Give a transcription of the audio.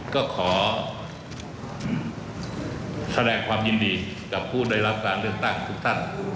ก็ขอแสดงความยินดีกับผู้ได้รับการเลือกตั้งทุกท่าน